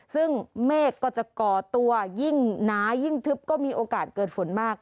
ซึ่งเมฆก็จะก่อตัวยิ่งหนายิ่งทึบก็มีโอกาสเกิดฝนมาก